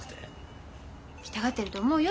来たがってると思うよ